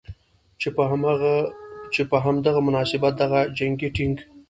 چې په هم دغه مناسبت دغه جنګي ټېنک